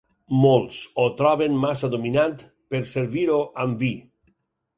Molts o troben massa dominant per servir-ho amb vi.